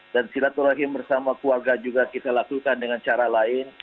dan silaturahim bersama keluarga juga kita lakukan dengan cara lain